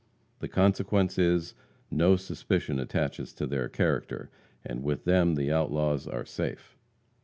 The consequence is, no suspicion attaches to their character, and with them the outlaws are safe.